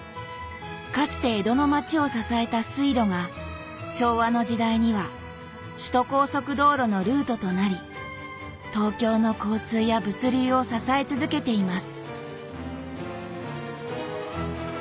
かつて江戸の町を支えた水路が昭和の時代には首都高速道路のルートとなり東京の交通や物流を支え続けています。